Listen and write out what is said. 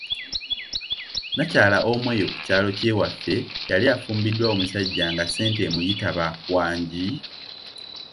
Nnakyala omu eyo ku kyalo kye waffe, yali afumbiddwa omusajja nga ssente emuyitaba," wangi".